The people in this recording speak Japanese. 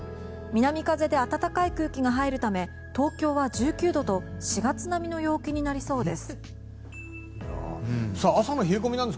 南風で暖かい空気が入るため東京は１９度と４月並みの陽気になりそうです。